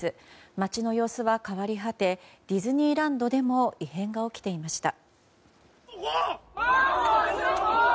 街の様子は変わり果てディズニーランドでも異変が起きていました。